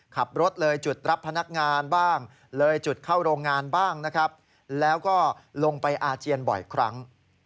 ขับรถเลยจุดรับพนักงานบ้างเลยจุดเข้าโรงงานบ้างนะครับแล้วก็ลงไปอาเจียนบ่อยครั้ง